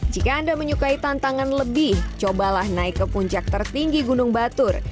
jika anda menyukai tantangan lebih cobalah naik ke puncak tertinggi gunung batur